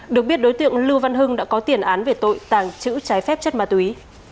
được biết đối tượng lưu văn hưng đã có tiền án về tội tàng trữ trái phép chất ma túy